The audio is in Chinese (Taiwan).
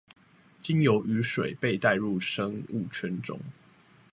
經由雨水被帶入生物圈中